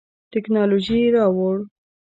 تکنالوژي راوړو.